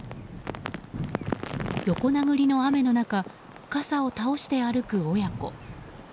横殴りの雨の中傘を倒して歩く親子。